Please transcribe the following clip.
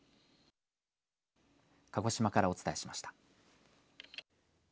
鹿児島からお伝えしました。